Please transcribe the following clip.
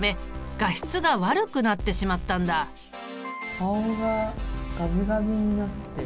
顔がガビガビになってる。